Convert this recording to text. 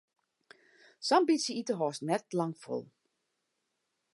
Sa'n bytsje ite hâldst net lang fol.